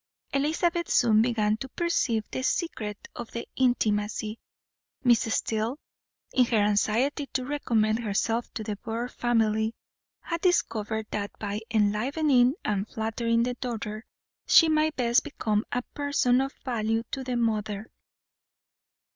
Elizabeth soon began to perceive the secret of the intimacy Miss Steele, in her anxiety to recommend herself to the de Bourgh family, had discovered that by enlivening and flattering the daughter she might best become a person of value to the mother.